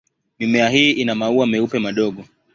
Mimea hii ina maua meupe madogo.